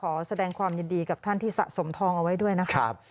ขอแสดงความยินดีกับท่านที่สะสมทองเอาไว้ด้วยนะครับ